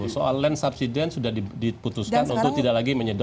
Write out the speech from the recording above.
soal land subsidence sudah diputuskan untuk tidak lagi menyedot